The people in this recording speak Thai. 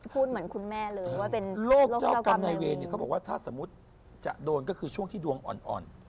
พูดเหมือนคุณแม่เลยว่าเป็นโรคเจ้ากรรมนายเวรเนี่ยเขาบอกว่าถ้าสมมุติจะโดนก็คือช่วงที่ดวงอ่อน